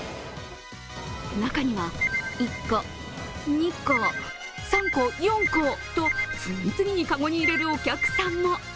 中には、１個、２個、３個、４個と次々に籠に入れるお客さんも。